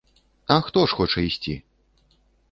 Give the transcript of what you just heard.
А хто ж хоча ісці?